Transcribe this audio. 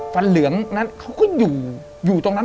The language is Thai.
แต่ขอให้เรียนจบปริญญาตรีก่อน